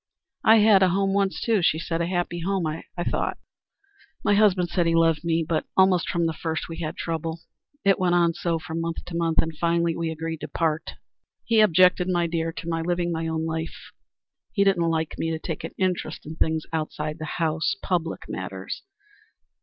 "I had a home once, too," she said, "a happy home, I thought. My husband said he loved me. But almost from the first we had trouble. It went on so from month to month, and finally we agreed to part. He objected, my dear, to my living my own life. He didn't like me to take an interest in things outside the house public matters.